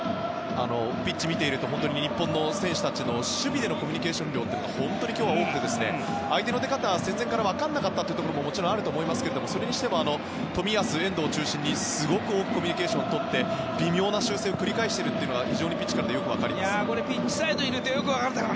ピッチ見ていると日本の選手たちの守備でのコミュニケーション量が本当に今日は多くて相手の出方は戦前は分からなかったところももちろんあると思うんですがそれにしても冨安、遠藤を中心にすごくコミュニケーションをとって微妙な修正を繰り返しているのが非常によく分かります。